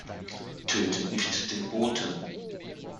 Tötet nicht den Boten.